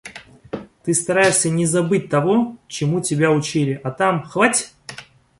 Ты стараешься не забыть того, чему тебя учили, а там - хвать!